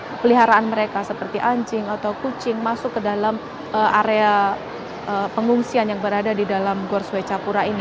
dan peliharaan mereka seperti anjing atau kucing masuk ke dalam area pengungsian yang berada di dalam gor swecapura ini